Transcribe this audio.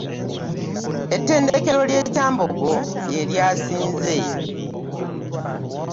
Ettendekero lya Kyambogo lye lyasinze.